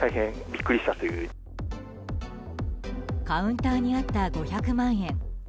カウンターにあった５００万円。